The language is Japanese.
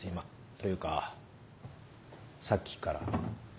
というかさっきから。